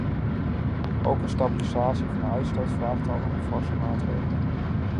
Ook een stabilisatie van de uitstoot vraagt al om forse maatregelen.